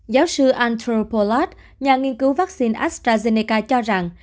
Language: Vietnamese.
giáo sư andrew pollard nhà nghiên cứu vaccine astrazeneca cho rằng